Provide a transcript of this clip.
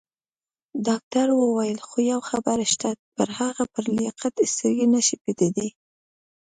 ډاکټر وویل: خو یوه خبره شته، پر هغه پر لیاقت سترګې نه شي پټېدای.